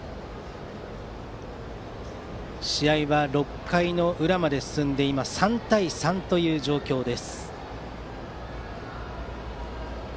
試合は６回裏まで進んで今は３対３という状況です。